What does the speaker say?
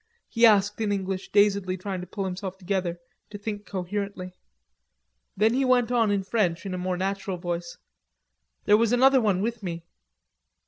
he asked in English, dazedly trying to pull himself together, to think coherently. Then he went on in French in a more natural voice: "There was another one with me."